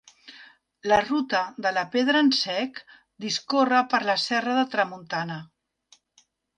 La Ruta de la Pedra en sec discorre per la serra de Tramuntana.